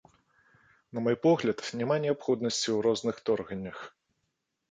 На мой погляд, няма неабходнасці ў розных торганнях.